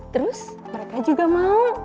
terus mereka juga mau